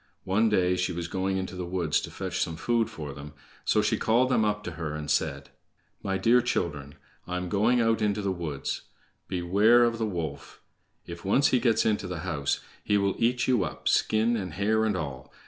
One day she was going into the woods to fetch some food for them, so she called them all up to her, and said: "My dear children, I am going out into the woods. Beware of the wolf! If once he gets into the house, he will eat you up, skin, and hair, and all.